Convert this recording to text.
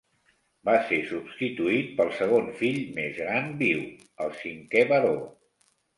Va ser substituït pel segon fill més gran viu, el cinquè baró.